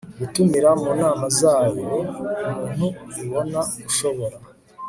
gutumira mu nama zayo umuntu ibona ushobora